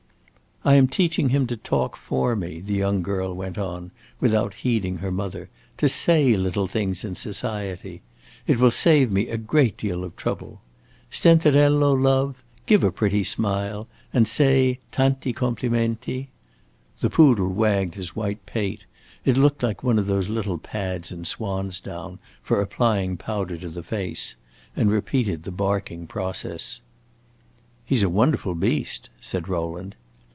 "I am teaching him to talk for me," the young girl went on, without heeding her mother; "to say little things in society. It will save me a great deal of trouble. Stenterello, love, give a pretty smile and say tanti complimenti!" The poodle wagged his white pate it looked like one of those little pads in swan's down, for applying powder to the face and repeated the barking process. "He is a wonderful beast," said Rowland.